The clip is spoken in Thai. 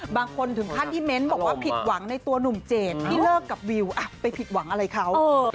บางคนถึงขั้นที่เม้นต์บอกว่าผิดหวังในตัวหนุ่มเจดที่เลิกกับวิวไปผิดหวังอะไรเขา